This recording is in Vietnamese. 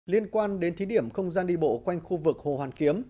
liên quan đến thí điểm không gian đi bộ quanh khu vực hồ hoàn kiếm